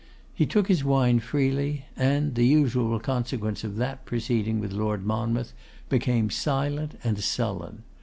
He took his wine freely, and, the usual consequence of that proceeding with Lord Monmouth, became silent and sullen.